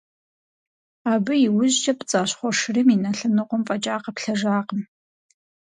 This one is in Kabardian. Абы и ужькӀэ пцӀащхъуэ шырым и нэ лъэныкъуэм фӀэкӀа къэплъэжакъым.